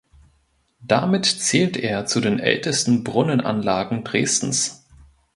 Damit zählt er zu den ältesten Brunnenanlagen Dresdens.